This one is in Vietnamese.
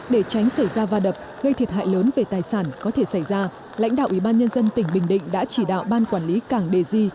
để tránh xảy ra va đập gây thiệt hại lớn về tài sản có thể xảy ra lãnh đạo ubnd tỉnh bình định đã chỉ đạo ban quản lý cảng đề di